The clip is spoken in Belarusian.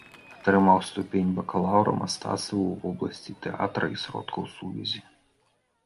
Атрымаў ступень бакалаўра мастацтваў у вобласці тэатра і сродкаў сувязі.